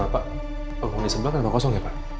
pak panggungnya sebelah kan gak kosong ya pak